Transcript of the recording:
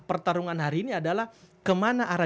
pertarungan hari ini adalah kemana arah